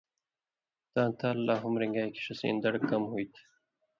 تاں تال لا ہُم رِݩگائ کھیں ݜِݜَیں دڑ کم ہوتھی۔